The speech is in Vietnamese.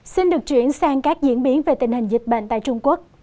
xin được chuyển sang các diễn biến về tình hình dịch bệnh tại trung quốc